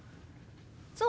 そう？